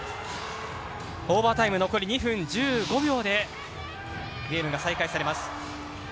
オーバータイム、残り１５秒でゲームが再開されます。